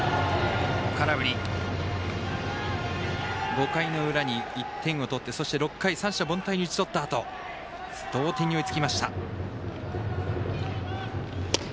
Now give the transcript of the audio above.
５回の裏に１点を取って、６回三者凡退に打ち取ったあと同点に追いつきました。